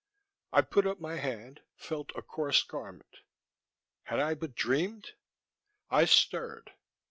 I put up my hand, felt a coarse garment. Had I but dreamed...? I stirred.